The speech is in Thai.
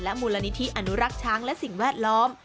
มูลนิธิอนุรักษ์ช้างและสิ่งแวดล้อม